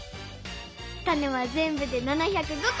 タネはぜんぶで７０５こ！